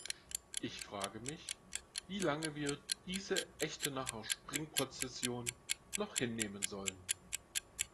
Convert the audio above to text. Ich frage mich, wie lange wir diese Echternacher Springprozession noch hinnehmen sollen.